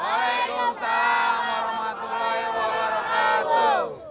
waalaikumsalam warahmatullahi wabarakatuh